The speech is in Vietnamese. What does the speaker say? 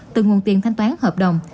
từ nguồn tiền thanh toán hợp đồng